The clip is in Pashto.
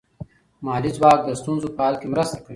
مالي ځواک د ستونزو په حل کې مرسته کوي.